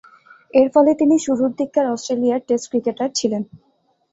এরফলে তিনি শুরুর দিককার অস্ট্রেলিয়ার টেস্ট ক্রিকেটার ছিলেন।